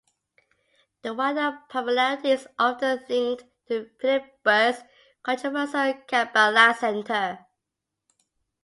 The wider popularity is often linked to Philip Berg's controversial Kabbalah Centre.